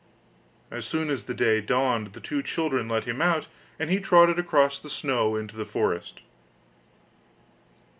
As soon as day dawned the two children let him out, and he trotted across the snow into the forest.